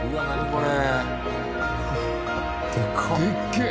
これ。